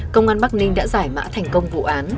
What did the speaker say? công an bắc ninh đã giải mã thành công vụ án